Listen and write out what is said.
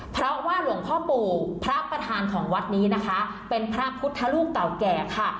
เพราะว่าหลวงพ่อปู่พระประธานของวัดนี้นะคะเป็นพระพุทธรูปเก่าแก่ค่ะ